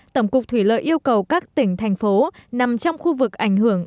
tổng cục thủy lợi yêu cầu các tỉnh thành phố nằm trong khu vực ảnh hưởng